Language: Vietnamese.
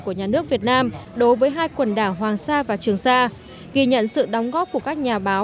của nhà nước việt nam đối với hai quần đảo hoàng sa và trường sa ghi nhận sự đóng góp của các nhà báo